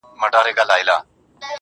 نوك د زنده گۍ مو لكه ستوري چي سركښه سي